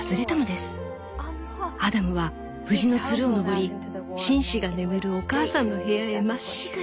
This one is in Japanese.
アダムは藤のつるを登り紳士が眠るお母さんの部屋へまっしぐら！」。